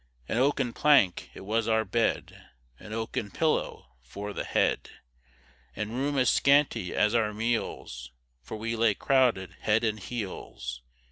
An oaken plank, it was our bed, An oaken pillow for the head, And room as scanty as our meals, For we lay crowded head and heels.